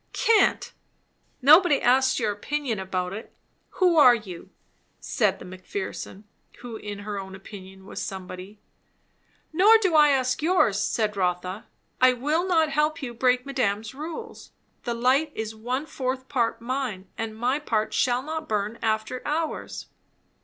"Cant!" "Nobody asks your opinion about it. Who are you?" said the Mc Pherson, who in her own opinion was somebody. "Nor do I ask yours," said Rotha. "I will not help you break madame's rules. The light is one fourth part mine; and my part shall not burn after hours."